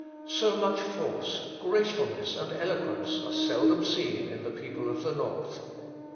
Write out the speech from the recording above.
So much force, gracefulness, and eloquence, are seldom seen in the people of the north."